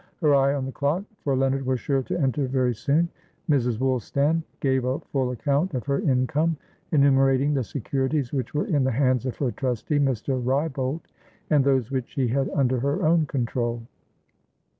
Her eye on the clockfor Leonard was sure to enter very soonMrs. Woolstan gave a full account of her income, enumerating the securities which were in the hands of her trustee, Mr. Wrybolt, and those which she had under her own control.